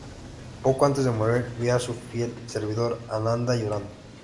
Poco antes de morir, vio a su fiel servidor Ananda, llorando.